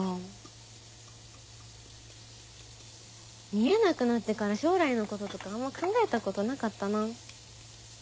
見えなくなってから将来のこととかあんま考えたことなかったな。